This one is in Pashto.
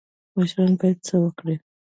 مشران باید څه وکړي؟